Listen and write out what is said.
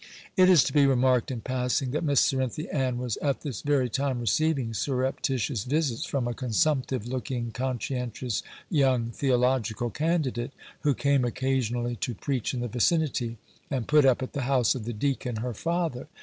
It is to be remarked, in passing, that Miss Cerinthy Ann was at this very time receiving surreptitious visits from a consumptive looking, conscientious, young theological candidate who came occasionally to preach in the vicinity, and put up at the house of the Deacon, her father.